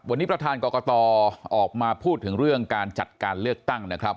วันนี้ประธานกรกตออกมาพูดถึงเรื่องการจัดการเลือกตั้งนะครับ